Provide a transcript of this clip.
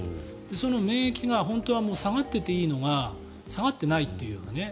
その免疫が本当は下がっていていいのが下がってないと。